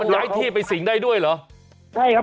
คุณติเล่าเรื่องนี้ให้ฮะ